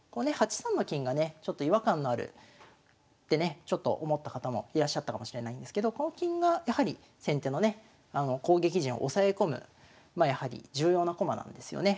８三の金がねちょっと違和感のあるってねちょっと思った方もいらっしゃったかもしれないんですけどこの金がやはり先手のね攻撃陣を押さえ込むやはり重要な駒なんですよね。